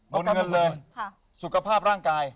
เงินเลยสุขภาพร่างกาย